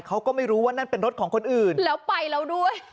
เขาก็ไม่รู้ว่านั่นเป็นรถของคนอื่นแล้วไปแล้วด้วย